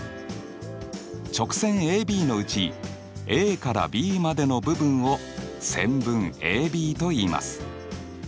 直線ＡＢのうちＡからＢまでの部分を線分ＡＢといいます。